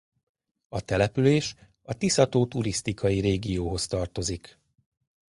A település a Tisza-tó turisztikai régióhoz tartozik.